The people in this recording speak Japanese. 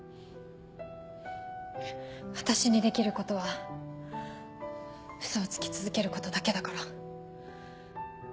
私にできることはウソをつき続けることだけだから。